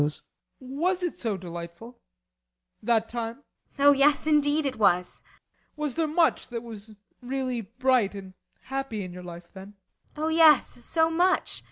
] Was it so delightful that time? ASTA. Oh yes, indeed it was. BORGHEIM. Was there much that was really bright and happy in your life then? ASTA. Oh yes, so much.